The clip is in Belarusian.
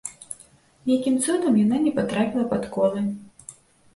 Нейкім цудам яна не патрапіла пад колы.